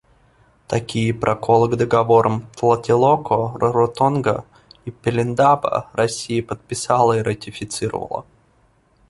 Такие проколы к договорам Тлателолко, Раротонга и Пелиндаба Россия подписала и ратифицировала.